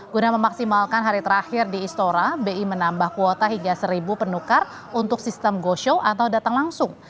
guna memaksimalkan hari terakhir di istora bi menambah kuota hingga seribu penukar untuk sistem go show atau datang langsung